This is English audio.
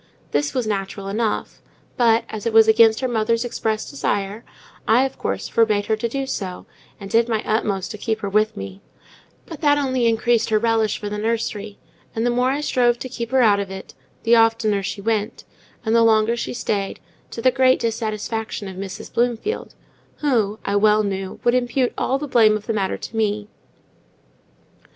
This was natural enough, but, as it was against her mother's express desire, I, of course, forbade her to do so, and did my utmost to keep her with me; but that only increased her relish for the nursery, and the more I strove to keep her out of it, the oftener she went, and the longer she stayed, to the great dissatisfaction of Mrs. Bloomfield, who, I well knew, would impute all the blame of the matter to me.